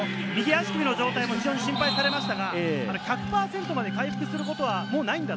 右足首の状態も非常に心配されましたが、１００％まで回復することはもうないんだ。